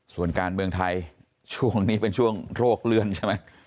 ส่วนการเมืองไทยช่วงนี้เป็นช่วงโรคเลื่อนใช่ไหม